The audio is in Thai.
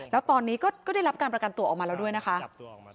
แล้วตอนนี้ก็ได้รับการประกันตัวออกมาแล้วด้วยนะคะ